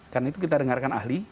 karena itu kita dengarkan ahli